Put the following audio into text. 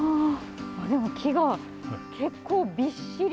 木が結構びっしり！